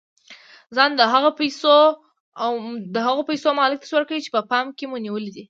ځان د هغو پيسو مالک تصور کړئ چې په پام کې مو نيولې دي.